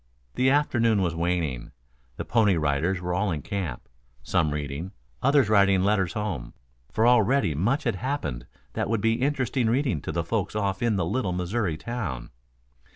The afternoon was waning. The Pony Riders were all in camp, some reading, others writing letters home, for already much had happened that would make interesting reading to the folks off in the little Missouri town.